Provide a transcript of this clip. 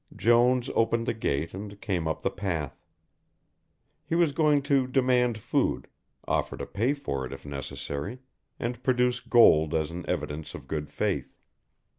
Jones opened the gate and came up the path. He was going to demand food, offer to pay for it if necessary, and produce gold as an evidence of good faith.